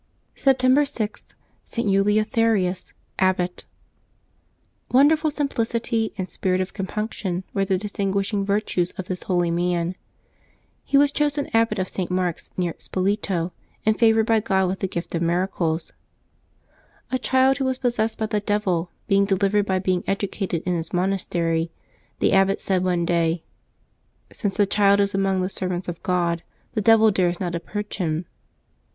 September 6.— ST. ELEUTHERIUS, Abbot. Jul' WONDERFUL simplicity and spirit of compunction were SJ. the distinguishing virtues of this holy man. He was chosen abbot of St. Mark^s near Spoleto, and favored by God with the gift of miracles. A child who was possessed by the devil, being delivered by being educated in his mon astery, the abbot said one day :" Since the child is among the servants of God, the devil dares not approach him."